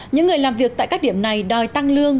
những người làm việc tại các điểm này đòi tăng lương